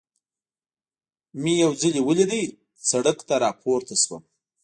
مې یو څلی ولید، سړک ته را پورته شوم.